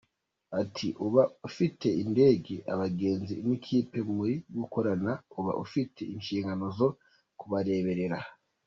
Ati “Uba ufite indege, abagenzi n’ikipe muri gukorana, uba ufite inshingano zo kubareberera.